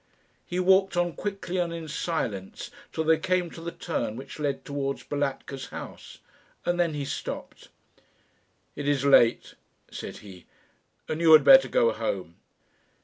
He walked on quickly and in silence till they came to the turn which led towards Balatka's house, and then he stopped. "It is late," said he, "and you had better go home."